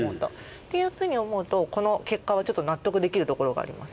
っていうふうに思うとこの結果はちょっと納得できるところがあります。